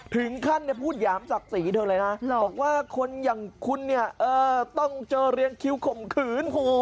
ถึงขั้นพูดหยามศักดิ์ศรีเธอเลยนะบอกว่าคนอย่างคุณเนี่ยต้องเจอเรียงคิวข่มขืน